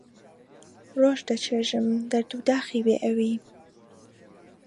ڕۆژ دەچێژم دەرد و داخی بێ ئەوی